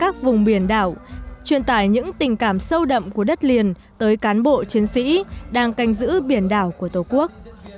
chuyên tải những tình cảm sâu đậm của đất liền tới cán bộ chiến sĩ đang canh giữ biển đảo của tổ quốc